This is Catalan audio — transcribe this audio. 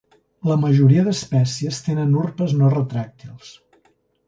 La majoria d'espècies tenen urpes no retràctils.